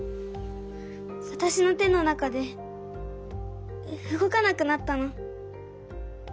わたしの手の中でうごかなくなったの。